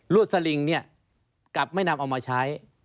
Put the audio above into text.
วดสลิงเนี่ยกลับไม่นำเอามาใช้